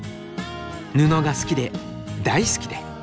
布が好きで大好きで。